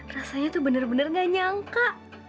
rasanya tuh bener bener gak nyangka